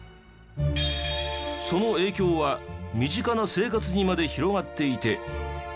その影響は身近な生活にまで広がっていて。